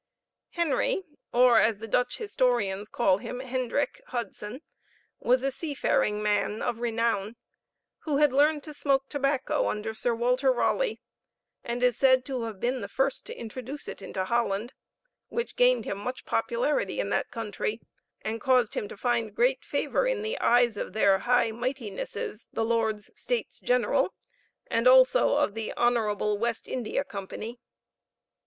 Henry (or, as the Dutch historians call him, Hendrick) Hudson was a seafaring man of renown, who had learned to smoke tobacco under Sir Walter Raleigh, and is said to have been the first to introduce it into Holland, which gained him much popularity in that country, and caused him to find great favor in the eyes of their High Mightinesses the Lords States General, and also of the Honorable West India Company.